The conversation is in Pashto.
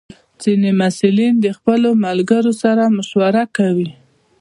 ځینې محصلین د خپلو ملګرو سره مشوره کوي.